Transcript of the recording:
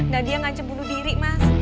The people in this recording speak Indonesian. nah dia ngancam bunuh diri mas